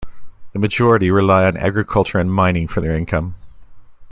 The majority rely on agriculture and mining for their income.